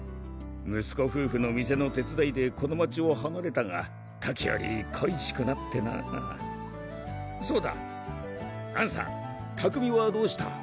息子夫婦の店の手伝いでこの町をはなれたが時折こいしくなってなそうだあんさん拓海はどうした？